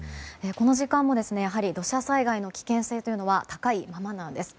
この時間もやはり土砂災害の危険性というのは高いままなんです。